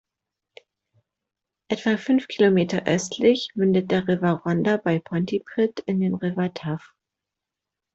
Etwa fünf Kilometer östlich mündet der River Rhondda bei Pontypridd in den River Taff.